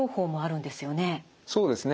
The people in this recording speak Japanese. そうですね。